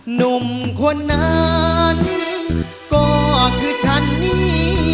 หนุ่มคนนั้นก็คือฉันนี่